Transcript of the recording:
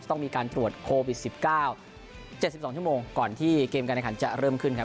ต้องมีการตรวจโควิด๑๙๗๒ชั่วโมงก่อนที่เกมการแข่งขันจะเริ่มขึ้นครับ